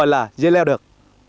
thì gọi là dây leo được